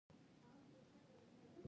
نخود پروتین لري